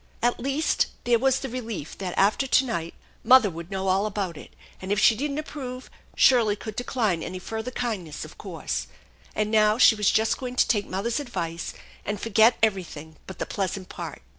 At least, there was the relief that after to night mother would know all about it; and, if she didn't approve, Shirley could decline any further kindness, of course. And now she was just going to take mother's advice and forget everything but the pleasant part.